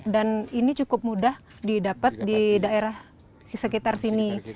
dan ini cukup mudah didapat di daerah sekitar sini